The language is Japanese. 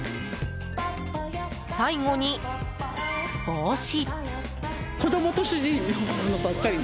最後に帽子。